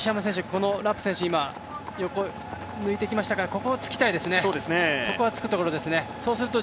ラップ選手、横を抜いてきましたから、ここをつきたいですね。